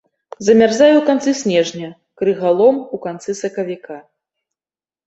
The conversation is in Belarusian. Замярзае ў канцы снежня, крыгалом у канцы сакавіка.